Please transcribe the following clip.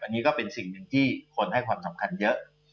อันนี้ก็เป็นสิ่งหนึ่งที่คนให้ความสำคัญเยอะ